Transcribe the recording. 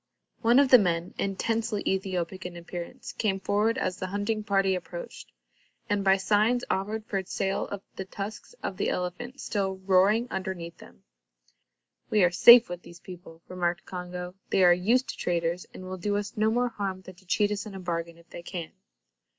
One of the men, intensely Ethiopic in appearance, came forward as the hunting party approached, and by signs offered for sale the tusks of the elephant still roaring underneath them. "We are safe with these people," remarked Congo. "They are used to traders, and will do us no more harm than to cheat us in a bargain, if they can."